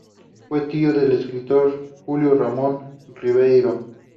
Fue tío del escritor Julio Ramón Ribeyro.